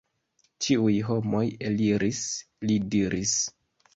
Ĉiuj homoj eliris, li diris.